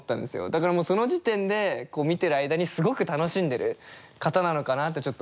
だからもうその時点で見てる間にすごく楽しんでる方なのかなってちょっと思いましたね。